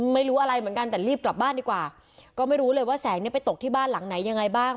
ไม่รู้อะไรเหมือนกันแต่รีบกลับบ้านดีกว่าก็ไม่รู้เลยว่าแสงเนี่ยไปตกที่บ้านหลังไหนยังไงบ้าง